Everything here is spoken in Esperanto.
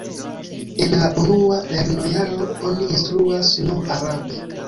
En la unua lernojaro oni instruas nur arabe.